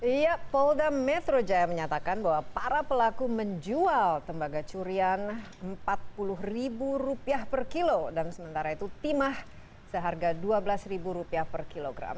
iya polda metro jaya menyatakan bahwa para pelaku menjual tembaga curian rp empat puluh per kilo dan sementara itu timah seharga rp dua belas per kilogram